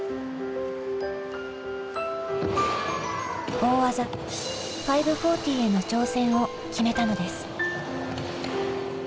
大技５４０への挑戦を決めたのです。